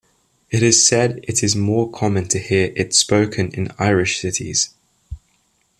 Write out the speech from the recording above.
It is said it is more common to hear it spoken in Irish cities.